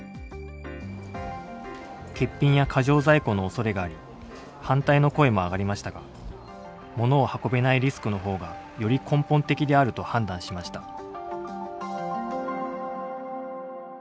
欠品や過剰在庫のおそれがあり反対の声も上がりましたがモノを運べないリスクの方がより根本的であると判断しました。